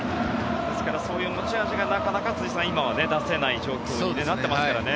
そういう持ち味がなかなか辻さん、今は出せない状況になっていますからね。